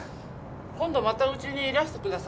今度またうちにいらしてください。